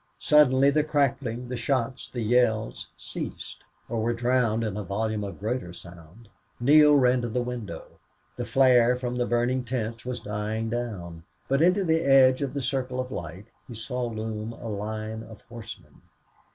Suddenly the crackling, the shots, the yells ceased, or were drowned in a volume of greater sound. Neale ran to the window. The flare from the burning tents was dying down. But into the edge of the circle of light he saw loom a line of horsemen.